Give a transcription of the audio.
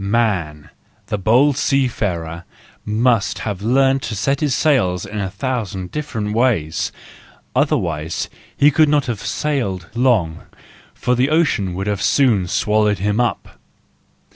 "Man," the bold seafarer, must have learned to set his sails in a thousand different ways, otherwise he could not have sailed long, for the ocean would soon have swallowed him up.